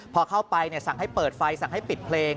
พอเข้าไปสั่งให้เปิดไฟสั่งให้ปิดเพลง